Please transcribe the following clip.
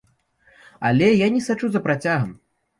Але я не сачу за працягам.